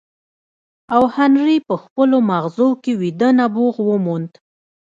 او هنري په خپلو ماغزو کې ويده نبوغ وموند.